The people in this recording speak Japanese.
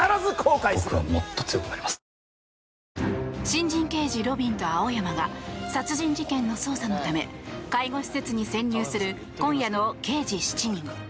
新人刑事・路敏と青山が殺人事件の捜査のため介護施設に潜入する今夜の「刑事７人」。